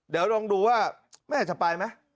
เดี๋ยวลองดูว่าแม่จะไปไหม